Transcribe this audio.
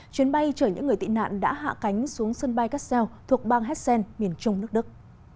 chuyến bay chở những người tị nạn đã hạ cánh xuống sân bay kassel thuộc bang hessen miền trung nước đức